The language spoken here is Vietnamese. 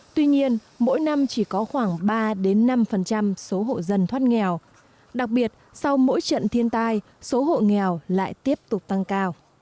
tuy nhiên mỗi năm chỉ có khoảng ba năm số hộ dân thoát nghèo đặc biệt sau mỗi trận thiên tai số hộ nghèo lại tiếp tục tăng cao